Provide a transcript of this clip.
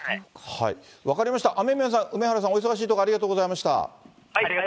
分かりました、雨宮さん、梅原さん、お忙しいところ、ありがとうございました。